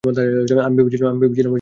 আমি ভেবেছিলাম তুমি মারা গেছ!